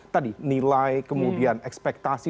tadi nilai kemudian ekspektasi